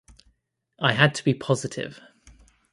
I had to be positive.